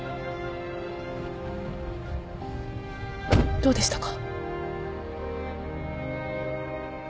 どうでしたか？